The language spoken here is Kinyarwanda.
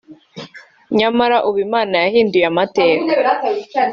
nyamara ubu Imana yahinduye amateka